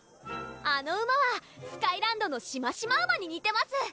あの馬はスカイランドのシマシマウマににてます